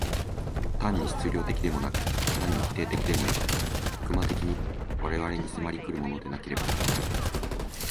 単に質料的でもなく、単に否定的でもなく、悪魔的に我々に迫り来るものでなければならない。